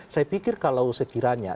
saya pikir kalau sekiranya